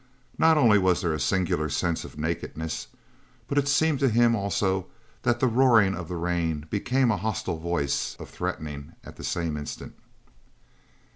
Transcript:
Not only was there a singular sense of nakedness, but it seemed to him also that the roaring of the rain became a hostile voice of threatening at the same instant.